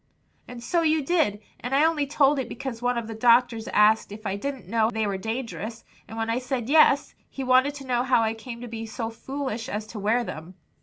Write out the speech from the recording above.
"And so you did, and I only told it because one of the doctors asked if I didn't know they were dangerous; and when I said yes, he wanted to know how I came to be so foolish as to wear them."